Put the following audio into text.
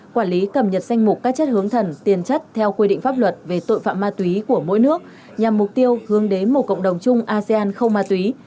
quản lý cập nhật danh mục các chất hướng thần tiền chất theo quy định pháp luật về tội phạm ma túy của mỗi nước nhằm mục tiêu hướng đến một cộng đồng chung asean không ma túy